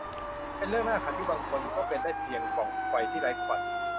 เป็นเรื่องน่าขันที่บางคนก็เป็นได้เพียงปล่องไฟที่ไร้ควัน